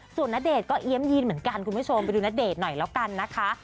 ส่วนณเดชน์ก็เอี๊ยมยีนเหมือนกันคุณผู้ชมไปดูณเดชน์หน่อยแล้วกันนะคะ